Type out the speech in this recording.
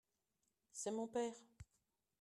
C'est mon père.